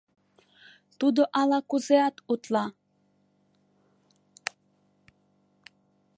Тудо ала-кузеат утла.